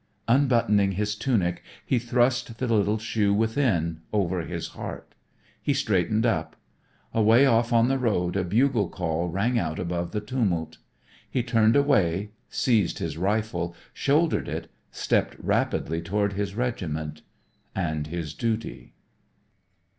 Unbuttoning his tunic he thrust the little shoe within, over his heart. He straightened up. Away off on the road a bugle call rang out above the tumult. He turned away, seized his rifle, shouldered it, stepped rapidly toward his regiment and his duty.